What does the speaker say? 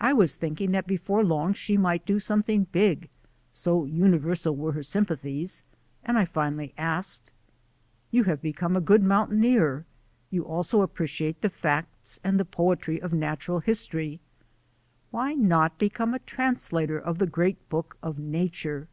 I was thinking that before long she might do something big, so universal were her sympathies, and I finally asked: " You have become a good mountaineer, you also appreciate the facts and the poetry of natural history, why not become a translator of the great book of nature?"